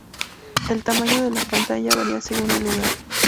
El tamaño de la pantalla varía según el lugar.